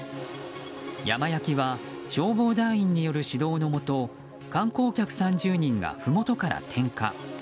山焼きは消防団員による指導のもと観光客３０人がふもとから点火。